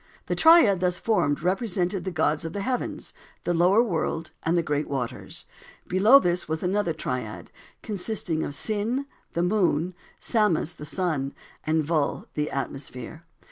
The triad thus formed represented the gods of the heavens, the lower world, and the great waters. Below this was another triad, consisting of Sin, the moon; Samas, the sun, and Vul, the atmosphere.